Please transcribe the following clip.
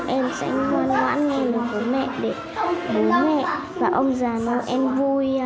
thôi là em sẽ ngoan ngoãn nghe được bố mẹ để bố mẹ và ông già noel vui